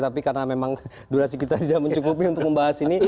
tapi karena memang durasi kita tidak mencukupi untuk membahas ini